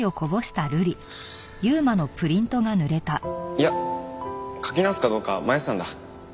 いや書き直すかどうか迷ってたんだ。